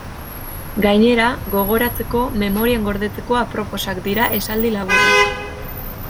Gainera, gogoratzeko, memorian gordetzeko aproposak dira esaldi laburrak.